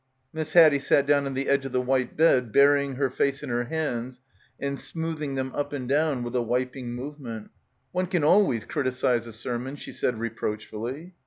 Miss Haddie sat down on the edge of the little white bed burying her face in her hands and smoothing them up and down with a wiping move ment. "One can always criticise a sermon," she said reproachfully.